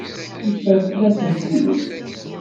Yeffer fell-asent tidet.